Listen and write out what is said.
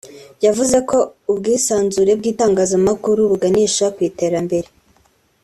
yavuze ko ubwisanzure bw’itangazamakuru buganisha ku Iterambere